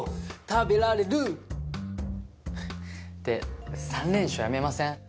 食べられる！って３連勝やめません？